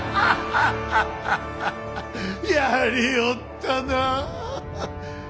やりおったな。